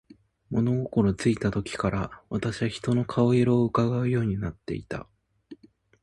物心ついた時から、私は人の顔色を窺うようになっていた。